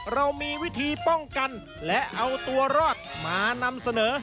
เรามีวิธีป้องกันและเอาตัวรอดมานำเสนอ